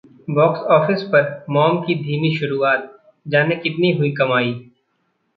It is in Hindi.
बॉक्स ऑफिस पर 'मॉम' की धीमी शुरुआत, जानें- कितनी हुई कमाई